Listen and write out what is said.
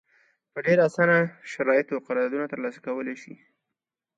په ډېر اسانه شرایطو قراردادونه ترلاسه کولای شي.